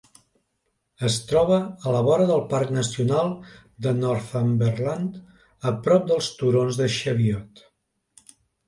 Es troba a la vora del parc nacional de Northumberland, a prop dels turons de Cheviot.